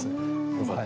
よかった。